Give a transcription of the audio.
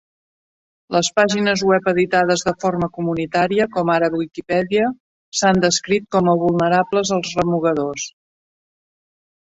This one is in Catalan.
Les pàgines web editades de forma comunitària, com ara Wikipedia, s'han descrit com a vulnerables als remugadors.